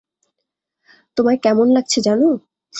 তোমায় কেমন লাগছে জানো?